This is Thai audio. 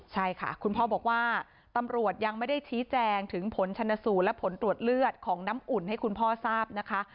ใช่ค่ะคุณพ่อบอกว่าตำรวจยังไม่ได้ชี้แจงถึงผลชนสูตรและผลตรวจเลือดของน้ำอุ่นให้คุณพ่อทราบนะคะ